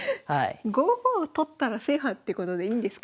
５五を取ったら制覇ってことでいいんですか？